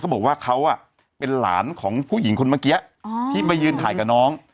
บอกว่าเขาเป็นหลานของผู้หญิงคนเมื่อกี้ที่มายืนถ่ายกับน้อง